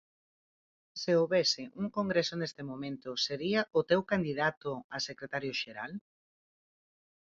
Se houbese un congreso neste momento sería o teu candidato a secretario xeral?